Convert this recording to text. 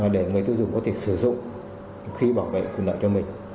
để người tiêu dùng có thể sử dụng khi bảo vệ quyền lợi cho mình